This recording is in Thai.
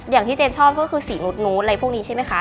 อย่างที่เจนชอบก็คือสีนู้นอะไรพวกนี้ใช่ไหมคะ